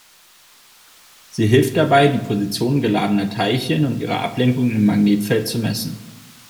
Sie hilft dabei, die Position geladener Teilchen und ihre Ablenkung im Magnetfeld zu messen.